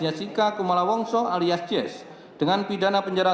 jessica kumala wongso alias jes dengan pidana penjara